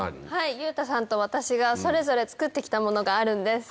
裕太さんと私がそれぞれ作って来たものがあるんです。